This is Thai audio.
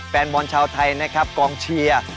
แฟนบอลชาวไทยนะครับกองเชียร์